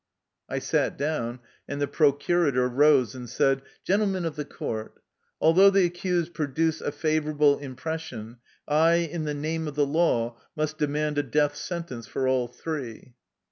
I sat down, and the procurator rose and said :" Gentlemen of the court : Although the ac cused produce a favorable impression, I, in the name of the law, must demand a death sentence for all three.''